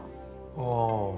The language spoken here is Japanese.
ああ。